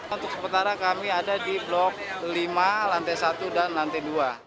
untuk sementara kami ada di blok lima lantai satu dan lantai dua